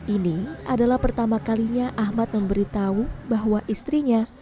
ini adalah pertama kalinya ahmad memberitahu bahwa istrinya